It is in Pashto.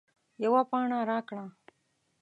یوه پاڼه راکړه